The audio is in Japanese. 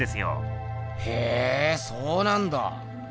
へえそうなんだ。